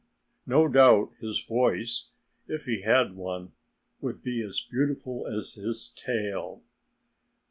No doubt his voice if he had one would be as beautiful as his tail."